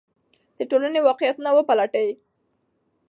د ټولنې واقعیتونه وپلټئ.